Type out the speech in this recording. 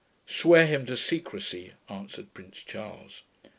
'Swear him to secrecy,' answered Prince Charles.